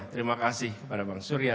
terima kasih kepada bang surya